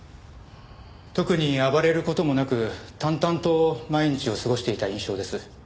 特に暴れる事もなく淡々と毎日を過ごしていた印象です。